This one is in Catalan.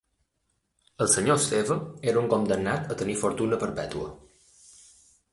El senyor Esteve era un condemnat a tenir fortuna perpetua.